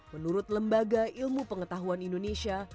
menurut lembaga ilmu pengetahuan indonesia